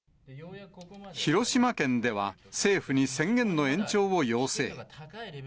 広島県では、政府に宣言の延長を要請。